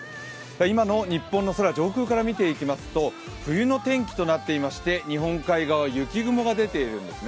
今の日本の空、上空から見ていきますと冬の天気となってまして日本海側は雪雲が出ているんですね。